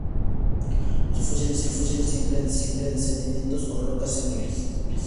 Los depósitos de fósiles se encuentran siempre en sedimentos o rocas sedimentarias.